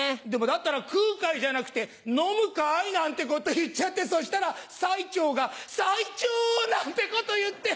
だったら空海じゃなくてノムカイなんてこと言っちゃってそしたら最澄がサイチョ！なんてこと言って。